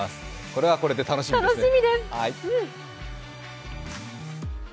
これはこれで楽しみですね。